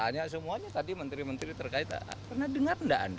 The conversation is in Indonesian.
tanya semuanya tadi menteri menteri terkait pernah dengar tidak